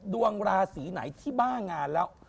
ดวงราศีไหนที่บ้างานแล้ว